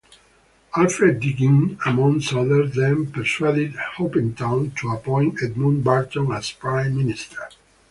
Alfred Deakin, amongst others, then persuaded Hopetoun to appoint Edmund Barton as Prime Minister.